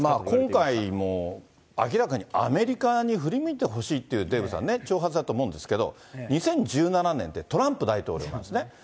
今回もう、明らかにアメリカに振り向いてほしいという、デーブさん、これ、挑発だと思うんですけど、２０１７年ってトランプ大統領なんですね。